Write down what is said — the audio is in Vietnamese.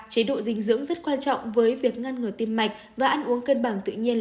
chế độ dinh dưỡng rất quan trọng với việc ngăn ngừa tim mạch và ăn uống cân bằng tự nhiên